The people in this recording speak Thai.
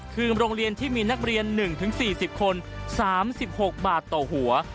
คือโรงเรียนที่มีนักเรียน๑๔๐คน๓๖บาทต่อหัว